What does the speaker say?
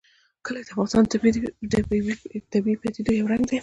کلي د افغانستان د طبیعي پدیدو یو رنګ دی.